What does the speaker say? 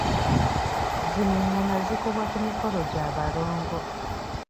Zino engoma zikubwa ku mikolo gya balongo.